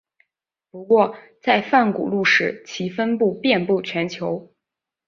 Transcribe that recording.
不过在泛古陆时其分布遍布全球。